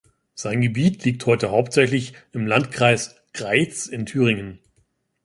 Sein Gebiet liegt heute hauptsächlich im Landkreis Greiz in Thüringen.